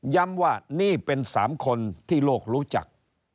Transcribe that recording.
ย้ำว่านี่เป็น๓คนที่โลกรู้จัก